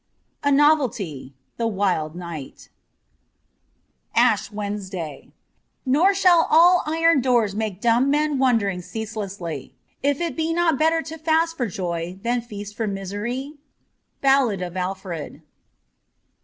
'A Novelty '(' The Wild Knight '). 410 ASH WEDNESDAY NOR shall all iron doors make dumb/ Men wondering ceaselessly, If it be not better to fast for joy Than feast for misery ? 'Ballad of Alfred.'